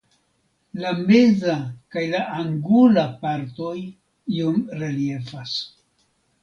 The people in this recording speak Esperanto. La meza kaj la angula partoj iom reliefas.